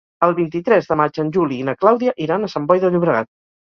El vint-i-tres de maig en Juli i na Clàudia iran a Sant Boi de Llobregat.